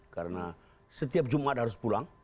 karena setiap jumat harus pulang